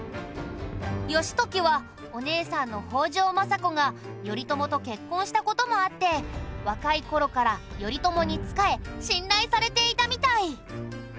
義時はお姉さんの北条政子が頼朝と結婚した事もあって若い頃から頼朝に仕え信頼されていたみたい。